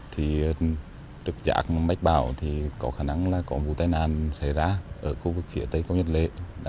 thì trực chạc mách bão thì có khả năng là có vụ tai nạn xảy ra ở khu vực phía tây công nhật lệ